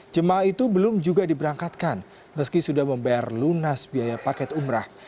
jemaah itu belum juga diberangkatkan meski sudah membayar lunas biaya paket umrah